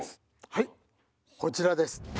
はいこちらです。